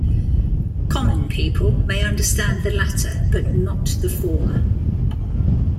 Common people may understand the latter, but not the former.